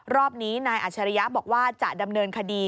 รอบนี้นายอัชริยะบอกว่าจะดำเนินคดี